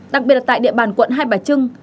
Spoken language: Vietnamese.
đặc biệt là tại địa bàn quận hai bà trưng